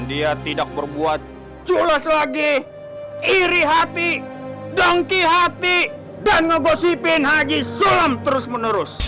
dia tidak berbuat culas lagi iri hati danki hati dan ngegosipin haji sulam terus menerus